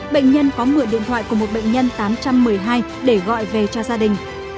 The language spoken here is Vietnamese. bệnh nhân có mượn điện thoại của một bệnh nhân tám trăm một mươi hai để gọi về cho gia đình